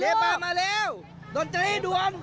เชฟบ๊ามาเร็วดนตรีดวม